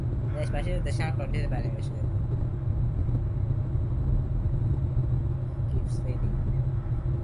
দেশবাসীর উদ্দেশে আমার বাণী বলিষ্ঠতর।